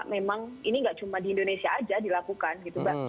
bahwa memang ini nggak cuma di indonesia saja dilakukan gitu